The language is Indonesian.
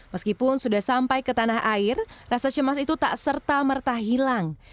meskipun sudah sampai ke tanah air rasa cemas itu tak serta merta hilang